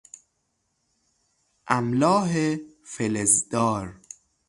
املاح فلزدار